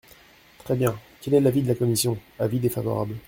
Très bien ! Quel est l’avis de la commission ? Avis défavorable.